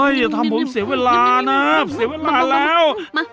อย่าทำผมเสียเวลานะเสียเวลาแล้ว